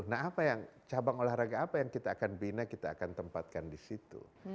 nah apa yang cabang olahraga apa yang kita akan bina kita akan tempatkan di situ